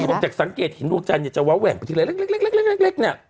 ซึ่งผมจากสังเกตเห็นดวงจันทร์จะเว้าแหว่งไปที่ไหนเล็กเนี่ย